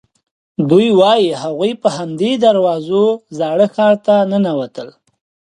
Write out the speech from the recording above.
دوی وایي هغوی په همدې دروازو زاړه ښار ته ننوتل.